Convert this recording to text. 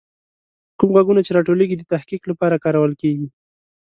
کوم غږونه چې راټولیږي، د تحقیق لپاره کارول کیږي.